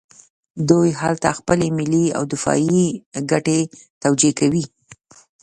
دوی هلته خپلې ملي او دفاعي ګټې توجیه کوي.